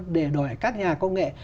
để đổi các nhà công nghệ